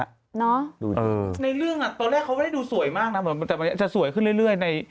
ในเรื่องตอนแรกเขาว่าจะดูสวยมากนะแต่จะสวยขึ้นเรื่อยใน